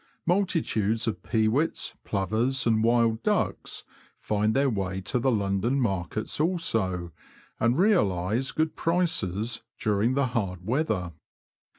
Multitudes of pewits, plovers, and wild ducks, find their way to the London markets also, and realise good prices, during the hard weather.